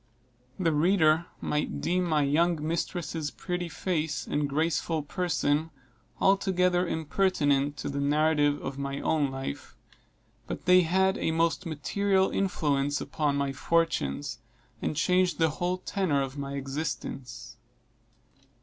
The reader might deem my young mistress' pretty face and graceful person altogether impertinent to the narrative of my own life; but they had a most material influence upon my fortunes, and changed the whole tenor of my existence.